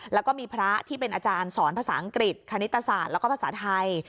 แล้วก็มีพระที่เป็นอาจารย์สอนภาษาอังกฤษคณิตศาสตร์แล้วก็ภาษาไทย